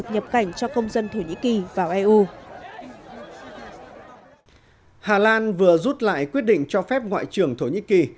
hà lan vừa rút lại quyết định cho phép ngoại trưởng thổ nhĩ kỳ